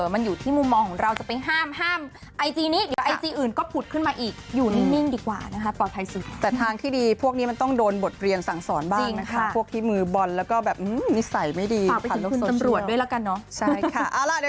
มันอยู่ที่มุมมองของเราจะไปห้ามห้ามไอจีนี้เดี๋ยวไอจีอื่นก็ผุดขึ้นมาอีกอยู่นิ่งดีกว่านะคะปลอดภัยสุดแต่ทางที่ดีพวกนี้มันต้องโดนบทเรียนสั่งสอนบ้างนะคะพวกที่มือบอลแล้วก็แบบนิสัยไม่ดีผ่านตำรวจด้วยแล้วกันเนอะใช่ค่ะ